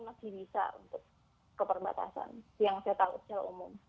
masih bisa untuk keperbatasan yang saya tahu secara umum